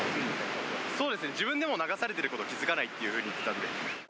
そうですね、自分でも流されてることに気付かないっていうふうに言ってたので。